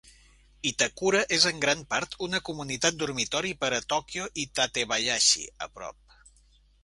Itakura és en gran part una comunitat dormitori per a Tòquio i Tatebayashi, a prop.